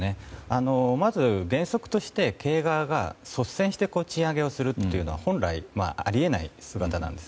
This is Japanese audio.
まず原則として経営側が率先して賃上げをするというのは本来あり得ない姿なんです。